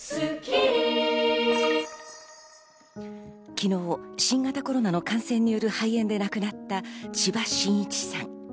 昨日、新型コロナの感染による肺炎で亡くなった千葉真一さん。